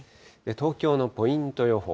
東京のポイント予報。